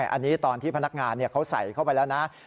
อันนี้ตอนที่พนักงานเขาใส่เข้าไปแล้วนะ